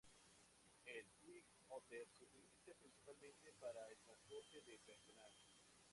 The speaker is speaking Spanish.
El Twin Otter se utiliza principalmente para el transporte de personal.